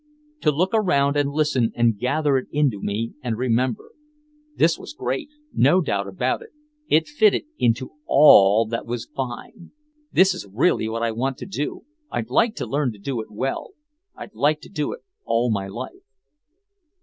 To look around and listen and gather it into me and remember. This was great, no doubt about it it fitted into all that was fine! "This is really what I want to do I'd like to learn to do it well I'd like to do it all my life!"